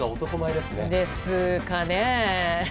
ですかね。